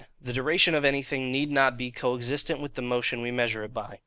The Duration of anything need not be co existent with the motion we measure it by.